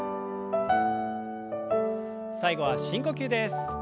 最後は深呼吸です。